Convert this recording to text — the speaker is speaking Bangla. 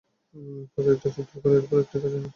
ত্বকে একটা ছিদ্র করো, এরপর একটা কাঁচি নাও।